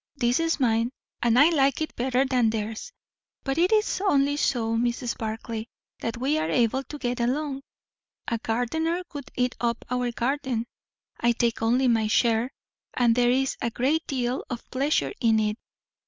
This is mine, and I like it better than theirs. But it is only so, Mrs. Barclay, that we are able to get along. A gardener would eat up our garden. I take only my share. And there is a great deal of pleasure in it.